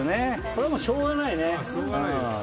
これはしょうがないよね。